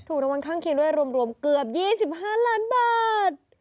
รางวัลข้างเคียงด้วยรวมเกือบ๒๕ล้านบาท